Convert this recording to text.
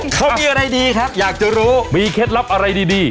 เขามีอะไรดีครับอยากจะรู้มีเคล็ดลับอะไรดี